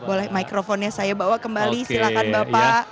boleh mikrofonnya saya bawa kembali silahkan bapak